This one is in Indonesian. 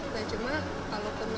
nah cuma kalau penyanyi